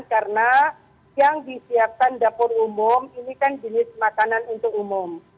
karena yang disiapkan dapur umum ini kan jenis makanan untuk umum